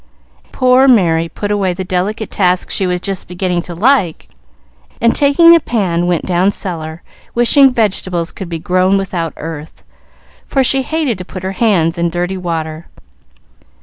Poor Merry put away the delicate task she was just beginning to like, and taking a pan went down cellar, wishing vegetables could be grown without earth, for she hated to put her hands in dirty water.